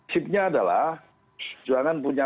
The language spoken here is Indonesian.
kibnya adalah juangan punya